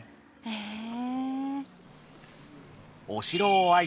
へえ。